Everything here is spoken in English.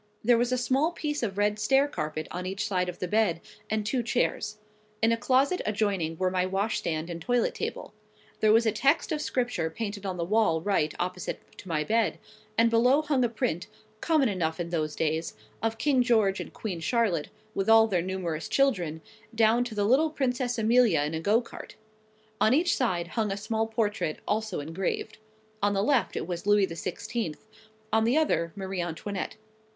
There was a small piece of red staircarpet on each side of the bed, and two chairs. In a closet adjoining were my washstand and toilet table. There was a text of Scripture painted on the wall right opposite to my bed; and below hung a print, common enough in those days, of King George and Queen Charlotte, with all their numerous children, down to the little Princess Amelia in a go cart. On each side hung a small portrait, also engraved: on the left, it was Louis the Sixteenth; on the other, Marie Antoinette.